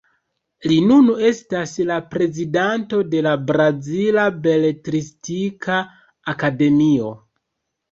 Li nun estas la prezidanto de la Brazila Beletristika Akademio.